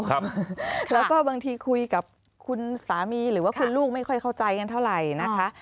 แล้วก็บางทีคุยกับคุณสามีหรือว่าคุณลูกไม่ค่อยเข้าใจกันเท่าไหร่นะคะ